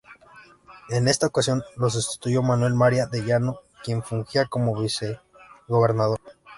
En esta ocasión lo sustituyó Manuel María de Llano, quien fungía como vicegobernador.